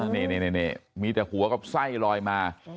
นี่มีแต่หัวกับไส้ลอยมา